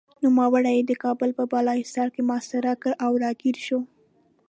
نوموړي یې د کابل په بالاحصار کې محاصره کړ او راګېر شو.